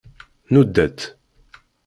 Nnuda-tt.